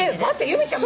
由美ちゃん